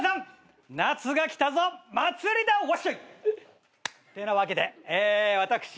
夏が来たぞ祭りだわっしょい！ってなわけで私